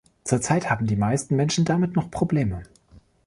Zurzeit haben die meisten Menschen damit noch Probleme.